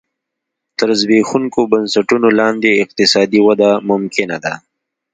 تر زبېښونکو بنسټونو لاندې اقتصادي وده ممکنه ده.